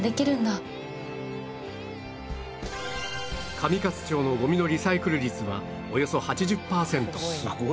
上勝町のごみのリサイクル率はおよそ８０パーセント